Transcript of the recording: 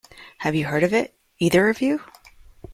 Have you heard of it, either of you?